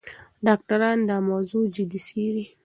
ډاکټران دا موضوع جدي څېړي.